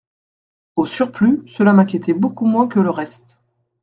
Au surplus, cela m'inquiétait beaucoup moins que le reste.